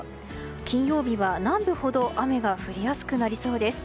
金曜日は南部ほど雨が降りやすくなりそうです。